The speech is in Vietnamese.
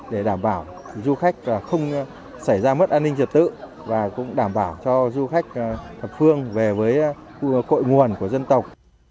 để đảm bảo du khách không xảy ra mất an ninh trật tự và cũng đảm bảo cho du khách thập phương về với cội nguồn của dân tộc